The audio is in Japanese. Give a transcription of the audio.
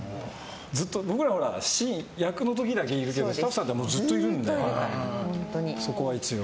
僕らは役の時だけいるけどスタッフさんはずっといるから、そこは一応。